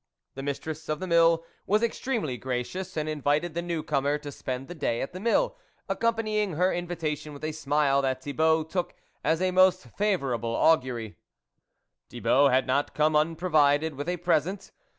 The mistress of the Mill was extremely gracious, and invited the new comer to spend the day at the Mill, accompanying her invitation with a smile that Thibault took as a most favourable augury. Thibault had not come unprovided with a present.